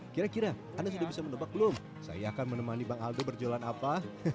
kira kira anda sudah bisa menebak belum saya akan menemani bang aldo berjualan apa